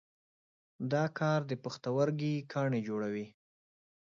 دا کار د پښتورګي کاڼي جوړوي.